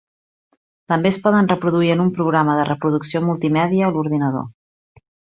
També es poden reproduir en un programa de reproducció multimèdia a l'ordinador.